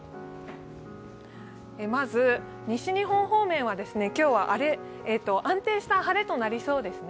まず西日本方面は今日は安定した晴れとなりそうですね。